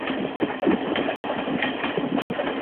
তিনি তাঁর পদবিতে "ভন" উপাধি যুক্ত করার অনুমতি পান।